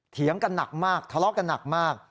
เถียงกันหนักมากทะเลาะกันหนักมาก